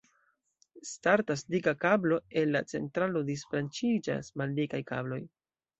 Startas dika kablo el la centralo, disbranĉiĝas maldikaj kabloj.